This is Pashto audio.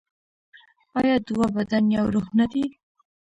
آیا دوه بدن یو روح نه دي؟